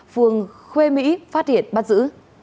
phường khuê mỹ phát hiện bắt giữ